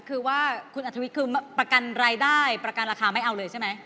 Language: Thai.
คือว่าคุณอัธวิทย์คือประกันรายได้ประกันราคาไม่เอาเลยใช่ไหม